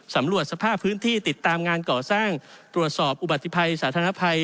สำรวจสภาพพื้นที่ติดตามงานก่อสร้างตรวจสอบอุบัติภัยสาธารณภัย